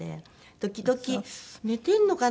時々寝てるのかな？